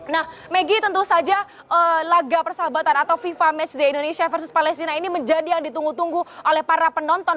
nah maggie tentu saja laga persahabatan atau fifa match day indonesia versus palestina ini menjadi yang ditunggu tunggu oleh para penonton